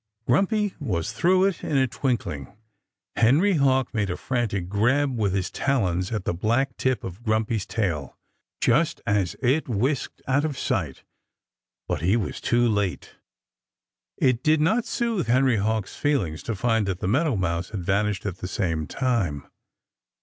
Grumpy was through it in a twinkling. Henry Hawk made a frantic grab with his talons at the black tip of Grumpy's tail, just as it whisked out of sight. But he was too late. It did not soothe Henry Hawk's feelings to find that the meadow mouse had vanished at the same time.